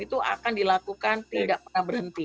itu akan dilakukan tidak pernah berhenti